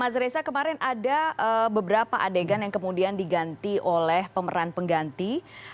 mas reza kemarin ada beberapa adegan yang kemudian diganti oleh pemeran pengganti